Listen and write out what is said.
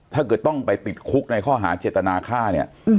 ถ้าเกิดต้องไปติดคุกในข้อหาเจตนาฆ่าเนี่ย